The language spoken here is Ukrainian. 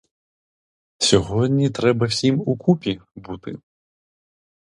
Сьогодні треба всім укупі бути.